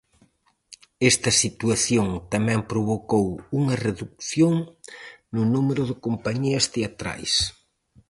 Esta situación tamén provocou unha redución no número de compañías teatrais.